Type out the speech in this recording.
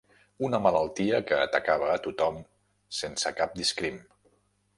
Una malaltia que atacava a tothom sense cap discrim.